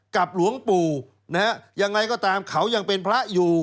หลวงปู่นะฮะยังไงก็ตามเขายังเป็นพระอยู่